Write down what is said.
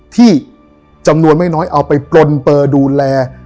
ที่จำนวนไม่น้อยเอาไปปลนเปอร์ดูแล